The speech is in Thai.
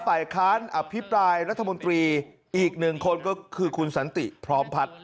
ฝ่ายค้านอภิปรายรัฐมนตรีอีกหนึ่งคนก็คือคุณสันติพร้อมพัฒน์